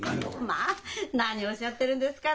まあ何をおっしゃってるんですか